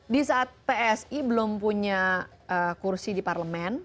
di saat psi belum punya kursi di parlemen